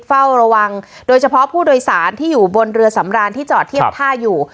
เฝ้าระวังโดยเฉพาะผู้โดยสารที่อยู่บนเรือสำรานที่จอดเทียบท่าอยู่